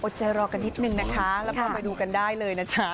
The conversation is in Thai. ใจรอกันนิดนึงนะคะแล้วก็ไปดูกันได้เลยนะจ๊ะ